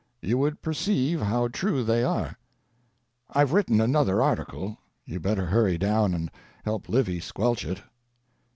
You would perceive how true they are. IVe written another article; you better hurry down and help Livy squelch it.